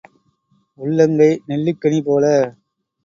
உள்ளங்கை நெல்லிக் கனி போல.